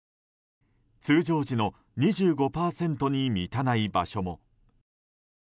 通常時の２５％に満たない場所も。